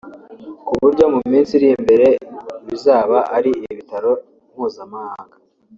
ku buryo mu minsi iri imbere bizaba ari ibitaro mpuzamahanga